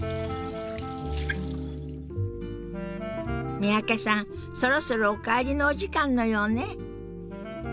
三宅さんそろそろお帰りのお時間のようね。